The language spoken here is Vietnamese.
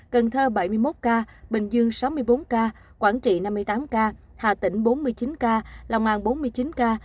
cần thơ bảy mươi một ca bình dương sáu mươi bốn ca quảng trị năm mươi tám ca hà tĩnh bốn mươi chín ca lòng an bốn mươi chín ca